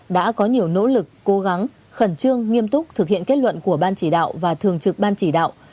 đã có nhiều nỗ lực cố gắng khẩn trương nghiêm túc thực hiện kết luận của ban chỉ đạo và thường trực ban chỉ đạo